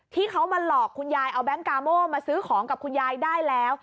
ที่เขามาหลอกคุณยายเอาแก๊งกาโมมาซื้อของกับคุณยายได้แล้ว